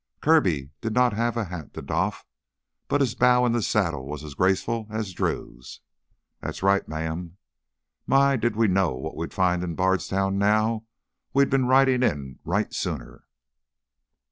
Kirby did not have a hat to doff, but his bow in the saddle was as graceful as Drew's. "That's right, ma'am. My, did we know what we'd find in Bardstown now, we'd bin ridin' in right sooner!"